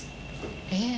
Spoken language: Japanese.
えっ？